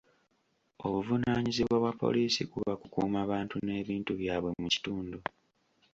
Obuvunaanyizibwa bwa poliisi kuba kukuuma bantu n'ebintu byabwe mu kitundu.